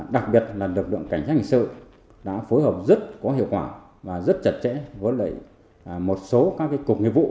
đặc biệt là lực lượng cảnh sát hình sự đã phối hợp rất có hiệu quả và rất chặt chẽ với một số các cục nghiệp vụ